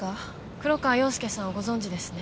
黒川陽介さんをご存じですね